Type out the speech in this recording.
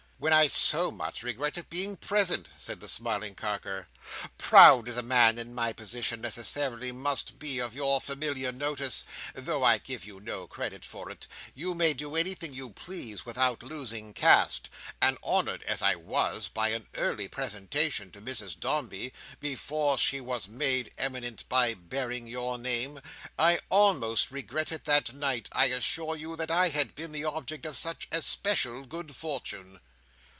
"When I so much regretted being present," said the smiling Carker. "Proud as a man in my position necessarily must be of your familiar notice—though I give you no credit for it; you may do anything you please without losing caste—and honoured as I was by an early presentation to Mrs Dombey, before she was made eminent by bearing your name, I almost regretted that night, I assure you, that I had been the object of such especial good fortune."